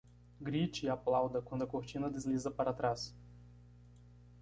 Grite e aplauda quando a cortina desliza para trás.